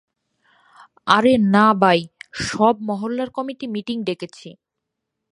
আরে না বাই, সব মহল্লার কমিটি মিটিং ডেকেছি।